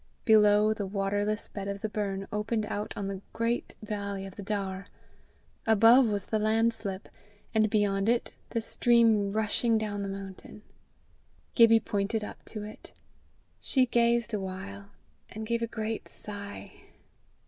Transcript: Below, the waterless bed of the burn opened out on the great valley of the Daur; above was the landslip, and beyond it the stream rushing down the mountain. Gibbie pointed up to it. She gazed a while, and gave a great sigh.